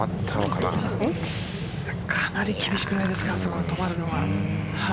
かなり厳しくないですかあそこに止まるのは。